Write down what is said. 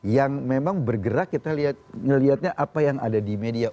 yang memang bergerak kita melihatnya apa yang ada di media